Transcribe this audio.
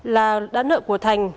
là đá nợ của thành